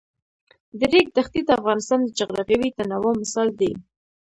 د ریګ دښتې د افغانستان د جغرافیوي تنوع مثال دی.